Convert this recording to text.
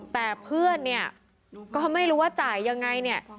แต่เพื่อนก็ไม่รู้ว่าจ่ายอย่างไร